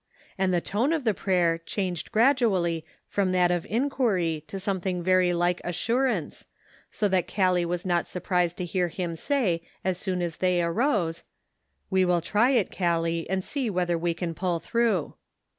And the tone of the prayer changed gradually from that of inquiry to something very like assurance, so that Gallic was not surprised to hear him say as soon as they arose :" We will try it, Gallic, and see whether we can pull through."